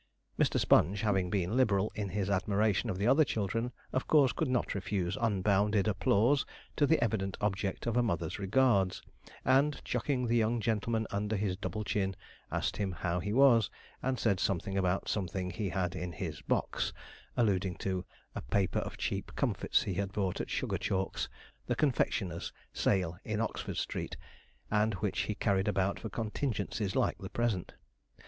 Mr. Sponge, having been liberal in his admiration of the other children, of course could not refuse unbounded applause to the evident object of a mother's regards; and, chucking the young gentleman under his double chin, asked him how he was, and said something about something he had in his 'box,' alluding to a paper of cheap comfits he had bought at Sugarchalk's, the confectioner's, sale in Oxford Street, and which he carried about for contingencies like the present.